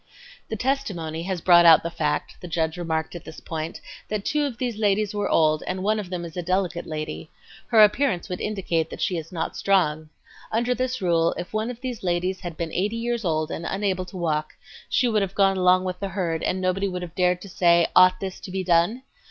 "The testimony has brought out the fact," the judge remarked at this point, "that two of these ladies were old and one of them is a delicate lady. Her appearance would indicate that she is not strong. Under this rule, if one of these ladies had been eighty years old and unable to walk she would have gone along with the herd and nobody would have dared to say 'ought this to be done?